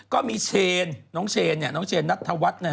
ก็มีเชนน้องเชนนัฒทวัด